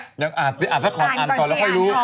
อ่านก่อนแล้วค่อยรู้